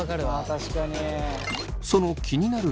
確かに。